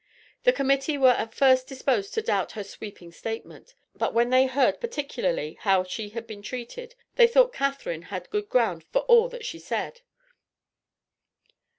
The Committee were at first disposed to doubt her sweeping statement, but when they heard particularly how she had been treated, they thought Catharine had good ground for all that she said.